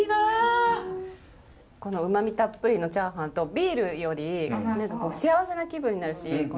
このうまみたっぷりのチャーハンとビールより幸せな気分になるし。